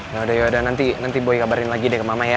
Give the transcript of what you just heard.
yaudah yaudah nanti boy kabarin lagi deh ke mama ya